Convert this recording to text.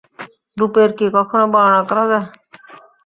রূপের কি কখনো বর্ণনা করা যায়।